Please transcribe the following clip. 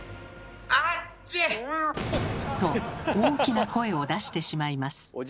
アッチィ！と大きな声を出してしまいます。